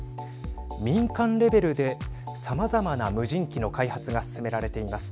民間レベルで、さまざまな無人機の開発が進められています。